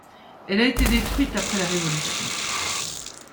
Elle a été détruite après la Révolution.